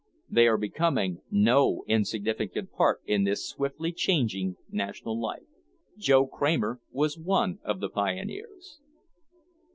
They are becoming no insignificant part in this swiftly changing national life. Joe Kramer was one of the pioneers.